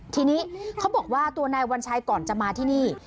ทีนี้เขาบอกว่าตัวนายวัญชัยก่อนจะมาที่นี่